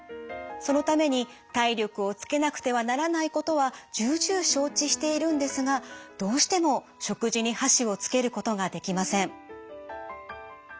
そのために体力をつけなくてはならないことは重々承知しているんですがどうしても食事に箸をつけることができません。